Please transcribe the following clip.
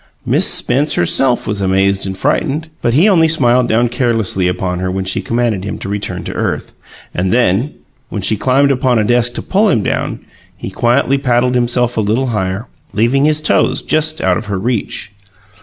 Miss Spence herself was amazed and frightened, but he only smiled down carelessly upon her when she commanded him to return to earth; and then, when she climbed upon a desk to pull him down, he quietly paddled himself a little higher, leaving his toes just out of her reach.